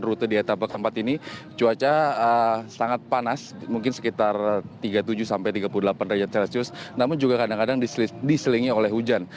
rute di etapa keempat ini cuaca sangat panas mungkin sekitar tiga puluh tujuh sampai tiga puluh delapan derajat celcius namun juga kadang kadang diselingi oleh hujan